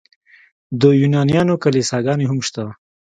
د یونانیانو کلیساګانې هم شته.